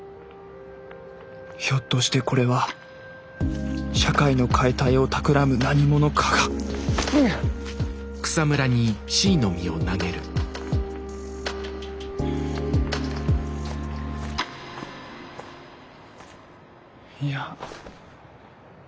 ひょっとしてこれは社会の解体をたくらむ何者かがいや。